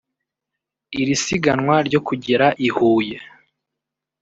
Iri siganwa ryo kugera i Huye